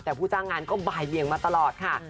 แต่ผู้จ้างงานก็บ่ายเบียงมาตลอดค่ะ